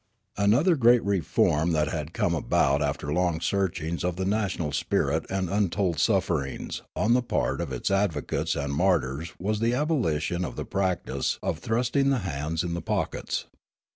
Another great reform that had come about after long searchings of the national spirit and untold sufferings on the part of its advocates and martyrs was the aboli tion of the practice of thrusting the hands in the pockets.